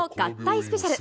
スペシャル。